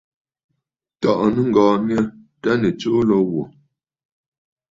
Tɔ̀ʼɔ̀tə̀ nɨŋgɔ̀ɔ̀ nyâ tâ nɨ̀ tsuu lǒ wò.